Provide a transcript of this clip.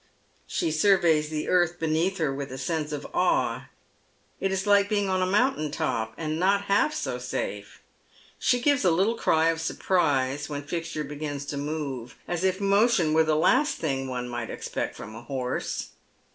She surveys the earth beneath her with a sense of awe ; it is like being on a mountain top, and not half so safe. She gives a little cry of surprise when Fixture begins to move, as if motion were the last thing one might expect fi om a horse.